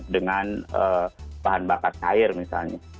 dengan bahan bakar cair misalnya